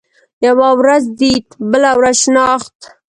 يوه ورځ ديد ، بله ورځ شناخت.